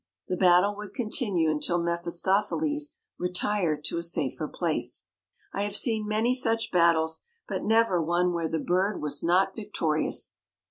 The battle would continue until Mephistopheles retired to a safer place. I have seen many such battles, but never one where the bird was not victorious.